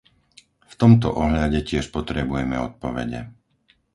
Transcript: V tomto ohľade tiež potrebujeme odpovede.